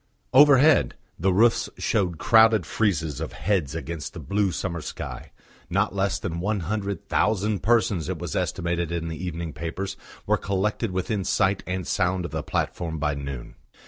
Overhead the roofs showed crowded friezes of heads against the blue summer sky. Not less than one hundred thousand persons, it was estimated in the evening papers, were collected within sight and sound of the platform by noon.